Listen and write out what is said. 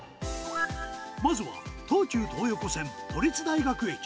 まずは、東急東横線都立大学駅。